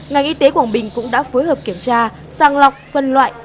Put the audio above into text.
ngành y tế quảng bình cũng đã phối hợp kiểm tra sàng lọc phân loại